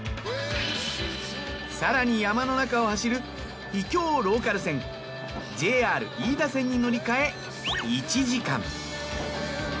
更に山の中を走る秘境ローカル線ＪＲ飯田線に乗り換え１時間。